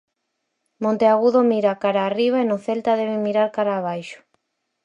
Monteagudo mira cara arriba e no Celta deben mirar cara abaixo.